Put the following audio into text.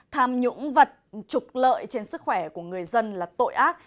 tham nhũng vật trục lợi trên sức khỏe của người dân là tội ác